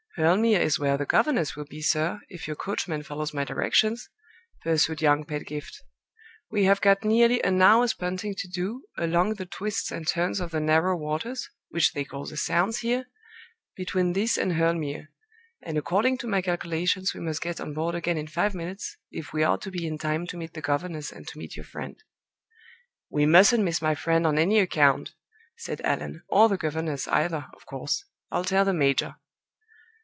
"Hurle Mere is where the governess will be, sir, if your coachman follows my directions," pursued young Pedgift. "We have got nearly an hour's punting to do, along the twists and turns of the narrow waters (which they call The Sounds here) between this and Hurle Mere; and according to my calculations we must get on board again in five minutes, if we are to be in time to meet the governess and to meet your friend." "We mustn't miss my friend on any account," said Allan; "or the governess, either, of course. I'll tell the major."